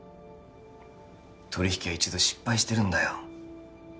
取引は一度失敗してるんだよ